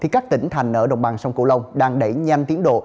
các tỉnh thành ở đồng bằng sông cửu long đang đẩy nhanh tiến độ